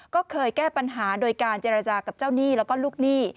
ก็เคยแก้ปัญหาโดยการเจรจากับเจ้าหนี้แล้วก็ลูกหนี้